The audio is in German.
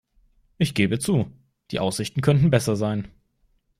Ich gebe zu, die Aussichten könnten besser sein.